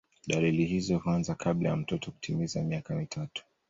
Dalili hizo huanza kabla ya mtoto kutimiza miaka mitatu.